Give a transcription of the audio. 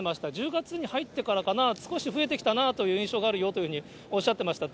１０月に入ってからかな、少し増えてきたなという印象があるよというふうにおっしゃってました。